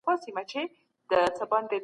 وړه خبره سوه ببره نور به نه درځمه